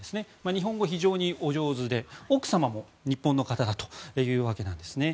日本語が非常にお上手で奥様も日本の方だというわけです。